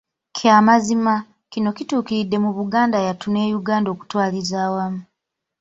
Kya mazima, kino kituukiridde mu Buganda yattu ne Uganda okutwaliza awamu.